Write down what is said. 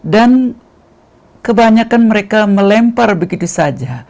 dan kebanyakan mereka melempar begitu saja